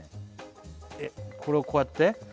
えっこれをこうやって？